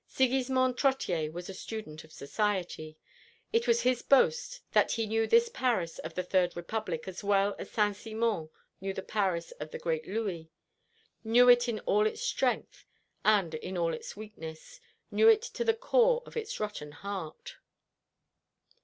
Sigismond Trottier was a student of society. It was his boast that he knew this Paris of the Third Republic as well as Saint Simon knew the Paris of the great Louis; knew it in all its strength; and in all its weakness; knew it to the core of its rotten heart.